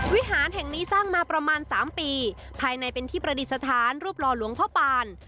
วิหารแห่งนี้สร้างมาประมาณ๓ปีภายในเป็นที่ประดิษฐานรูปหล่อหลวงพ่อปาน